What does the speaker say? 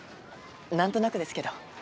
なんとなくですけど。